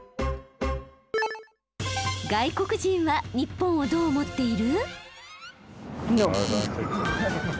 外国人は日本をどう思っている？